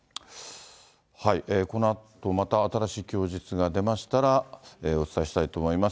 このあと、また新しい供述が出ましたら、お伝えしたいと思います。